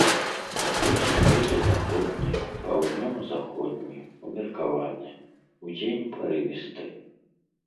Вецер будзе заходні, паўднёва-заходні, умеркаваны, удзень парывісты.